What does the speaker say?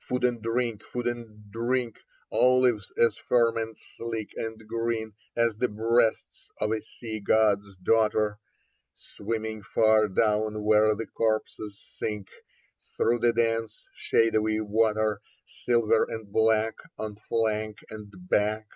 Food and drink, food and drink : Olives as firm and sleek and green As the breasts of a sea god's daughter, Swimming far down where the corpses sink Through the dense shadowy water. Silver and black on flank and back.